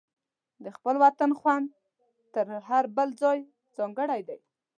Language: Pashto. د خپل وطن خوند تر هر بل ځای ځانګړی دی.